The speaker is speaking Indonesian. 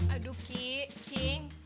aduh ki cing